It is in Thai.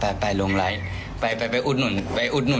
ยังไงอะไรก็ไม่รู้